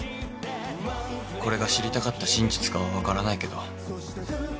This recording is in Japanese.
これが知りたかった真実かは分からないけど。